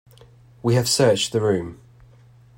We have searched the room.